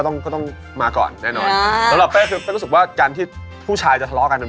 นี่มีคนเดียวในโลกหรอครับ